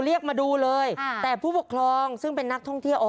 เรียกมาดูเลยแต่ผู้ปกครองซึ่งเป็นนักท่องเที่ยวอ๋อ